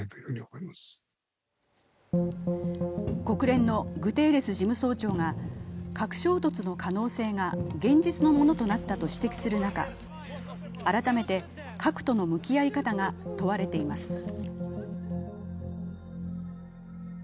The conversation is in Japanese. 国連のグテーレス事務総長が核衝突の可能性が現実のものとなったと指摘する中、改めて核との向き合い方が問われています。